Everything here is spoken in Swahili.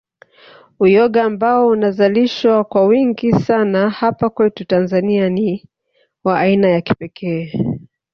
Uyoga ambao unazalishwa kwa wingi sana hapa kwetu Tanzania ni wa aina ya kipekee